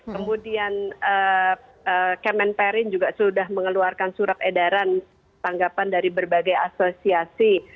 kemudian kemenperin juga sudah mengeluarkan surat edaran tanggapan dari berbagai asosiasi